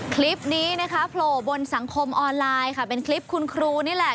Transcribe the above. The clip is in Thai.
คลิปนี้นะคะโผล่บนสังคมออนไลน์ค่ะเป็นคลิปคุณครูนี่แหละ